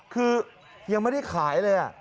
คือยังไม่ได้ขายเลย